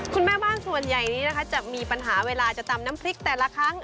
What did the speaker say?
คุณแม่บ้านส่วนใหญ่นี้นะคะจะมีปัญหาเวลาจะตำน้ำพริกแต่ละครั้ง